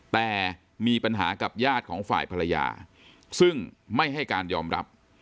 แต่มีปัญหากับญาติของฝ่ายภรรยาซึ่งไม่ให้การยอมรับ